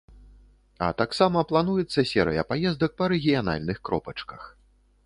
А таксама плануецца серыя паездак па рэгіянальных кропачках.